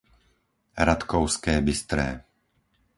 Ratkovské Bystré